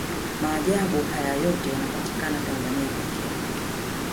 maajabu haya yote yanapatikana tanzania pekee